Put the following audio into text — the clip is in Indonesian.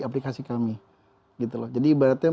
aplikasi kami jadi ibaratnya